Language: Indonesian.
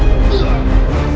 aku akan menang